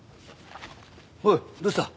おおどうした？